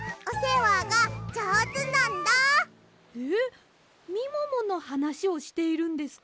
えっみもものはなしをしているんですか？